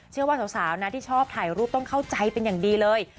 ว่าสาวนะที่ชอบถ่ายรูปต้องเข้าใจเป็นอย่างดีเลย